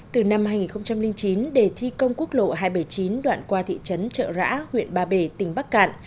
từ năm hai nghìn chín để thi công quốc lộ hai trăm bảy mươi chín đoạn qua thị trấn trợ rã huyện ba bể tỉnh bắc cạn